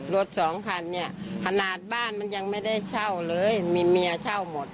รถสองคันเนี่ยขนาดบ้านมันยังไม่ได้เช่าเลยมีเมียเช่าหมด